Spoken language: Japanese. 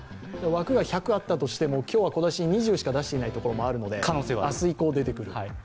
枠が１００あったとしても今日は小出しに２０しか出していないところもあるので明日以降、出てくる。